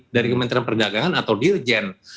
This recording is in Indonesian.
dari kementerian perdagangan atau dirjen